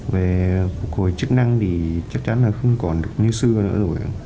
về phục hồi chức năng thì chắc chắn là không còn được như xưa nữa rồi